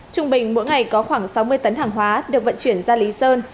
trung bình mỗi ngày có khoảng sáu mươi tấn hàng hóa được vận chuyển ra lý sơn